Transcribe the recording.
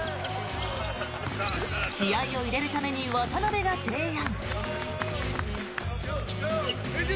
気合を入れるために渡邊が提案。